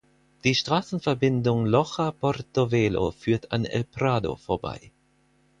Die Straßenverbindung Loja–Portovelo führt an El Prado vorbei.